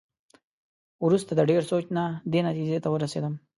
وروسته د ډېر سوچ نه دې نتېجې ته ورسېدم.